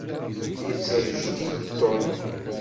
Yettrejdil Tom.